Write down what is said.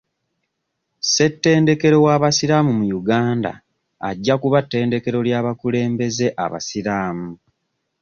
Ssetendekero w'abasiraamu mu Uganda ajja kuba ttendekero ly'abakulembeze abasiraamu.